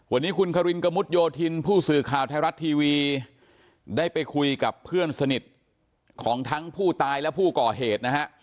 วันนี้คุณครินกระมุดโยธินผู้สื่อข่าวไทยรัฐทีวีได้ไปคุยกับเพื่อนสนิทของทั้งผู้ตายและผู้ก่อเหตุนะฮะ